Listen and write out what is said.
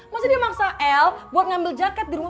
maksudnya dia maksa el buat ngambil jaket di rumah